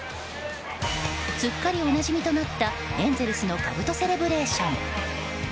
すっかりおなじみとなったエンゼルスのかぶとセレブレーション。